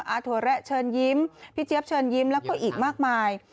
ถั่วแระเชิญยิ้มพี่เจี๊ยบเชิญยิ้มแล้วก็อีกมากมาย